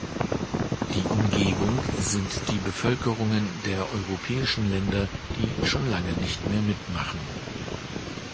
Die Umgebung sind die Bevölkerungen der europäischen Länder, die schon lange nicht mehr mitmachen.